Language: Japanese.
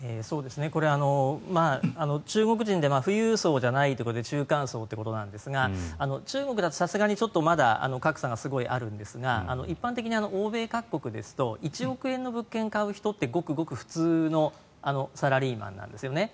これは中国人で富裕層じゃないところ中間層ということですが中国だとさすがにちょっとまだ格差がすごいあるんですが一般的に欧米各国ですと１億円の物件を買う人ってごくごく普通のサラリーマンなんですね。